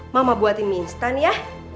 mama buati mie instan ya